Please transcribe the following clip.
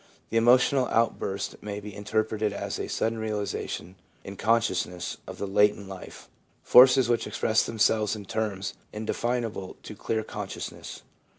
The emotional outburst may be interpreted as a sudden realisation in consciousness of the latent life — forces which express themselves in terms indefinable to clear consciousness.